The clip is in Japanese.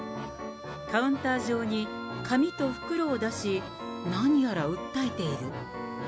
カウンター上に紙と袋を出し、何やら訴えている。